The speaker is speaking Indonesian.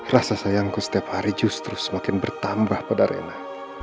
rasa sayangku setiap hari justru semakin bertambah pada rena